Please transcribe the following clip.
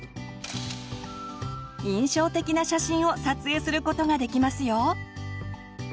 印象的な写真を撮影することができますよ！